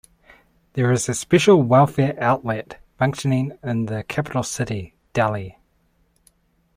There is a special welfare outlet functioning in the capital city, Delhi.